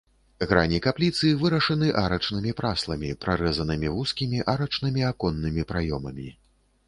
Грані капліцы вырашаны арачнымі прасламі, прарэзанымі вузкімі арачнымі аконнымі праёмамі.